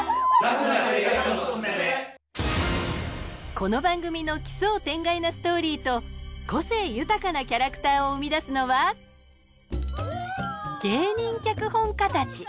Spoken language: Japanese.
この番組の奇想天外なストーリーと個性豊かなキャラクターを生み出すのは芸人脚本家たち。